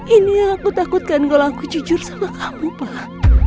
ini yang aku takutkan kalau aku jujur sama kamu pak